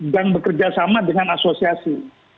dan bekerja sama dengan asosiasi